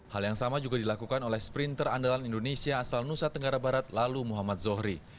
hal yang sama juga dilakukan oleh sprinter andalan indonesia asal nusa tenggara barat lalu muhammad zohri